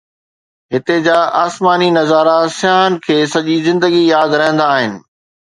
هتي جا آسماني نظارا سياحن کي سڄي زندگي ياد رهندا آهن